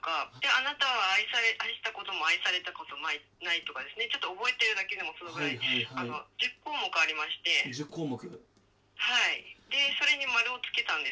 あなたは愛したことも愛されたこともないとかですね覚えてるだけでもそのぐらい１０項目ありまして１０項目はいでそれに丸をつけたんですよ